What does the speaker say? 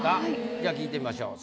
じゃあ聞いてみましょう。